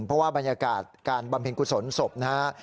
เพราะว่าบรรยากาศการบำเพ็ญกุศลศพนะฮะ